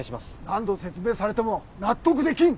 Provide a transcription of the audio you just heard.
何度説明されても納得できん！